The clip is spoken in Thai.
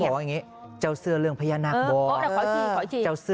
อย่างงี้นี้แล้ว